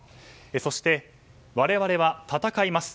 そして、我々は戦います。